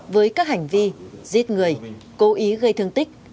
với các hành vi giết người cố ý gây thương tích